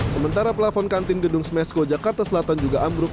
sementara pelafon kantin gedung smesko jakarta selatan juga ambruk